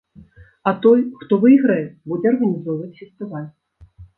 А той, хто выйграе, будзе арганізоўваць фестываль.